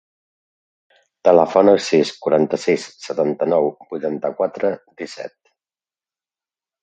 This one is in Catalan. Telefona al sis, quaranta-sis, setanta-nou, vuitanta-quatre, disset.